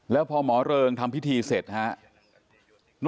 แล้วพอหมอเริงทำพิธีเสร็จครับ